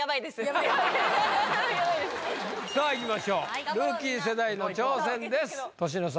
さあいきましょうルーキー世代の挑戦です年の差